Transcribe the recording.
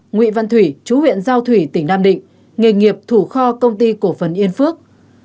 nguyễn văn thủy chú huyện giao thủy tỉnh nam định nghề nghiệp thủ kho công ty cổ phần yên phước